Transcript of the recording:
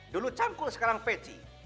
dulu cangkul sekarang peci